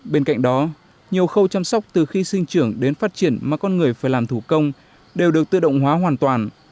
bên cạnh đó nhiều khâu chăm sóc từ khi sinh trưởng đến phát triển mà con người phải làm thủ công đều được tự động hóa hoàn toàn